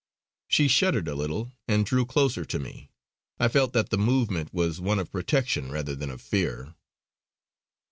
She shuddered a little and drew closer to me; I felt that the movement was one of protection rather than of fear.